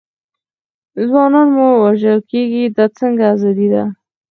ځوانان مو وژل کېږي، دا څنګه ازادي ده.